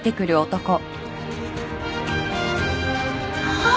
・あっ。